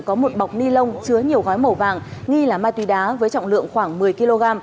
có một bọc ni lông chứa nhiều gói màu vàng nghi là ma túy đá với trọng lượng khoảng một mươi kg